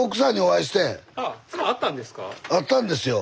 会ったんですよ。